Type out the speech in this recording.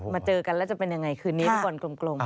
มาเจอกันแล้วจะเป็นอย่างไรคือนี้เรียบกวนกลม